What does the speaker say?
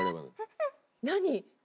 何？